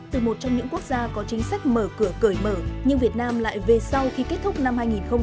từ một trong những quốc gia có chính sách mở cửa cởi mở nhưng việt nam lại về sau khi kết thúc năm hai nghìn hai mươi